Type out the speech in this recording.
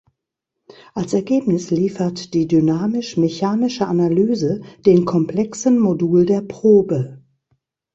Als Ergebnis liefert die dynamisch-mechanische Analyse den komplexen Modul der Probe.